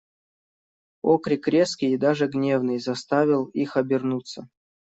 Окрик резкий и даже гневный заставил их обернуться.